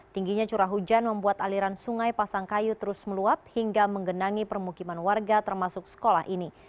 tingginya curah hujan membuat aliran sungai pasangkayu terus meluap hingga menggenangi permukiman warga termasuk sekolah ini